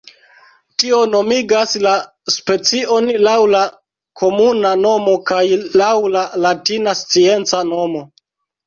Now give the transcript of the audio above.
Tio nomigas la specion laŭ la komuna nomo kaj laŭ la latina scienca nomo.